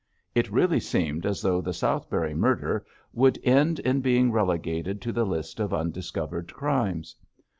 It really seemed as though the Southberry murder would end in being relegated to the list of undiscovered crimes.